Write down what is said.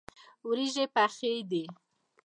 وریژې پخې دي.